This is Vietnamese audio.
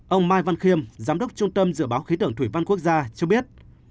ông mai văn khiêm giám đốc trung tâm dự báo khí tượng thủy văn quốc gia cho biết